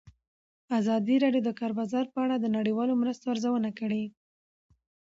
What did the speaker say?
ازادي راډیو د د کار بازار په اړه د نړیوالو مرستو ارزونه کړې.